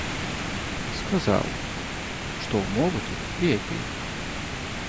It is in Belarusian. Сказаў, што ўмовы тут лепей.